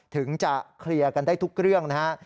ถึงจะเคลียร์กันได้ทุกเรื่องนะฮะ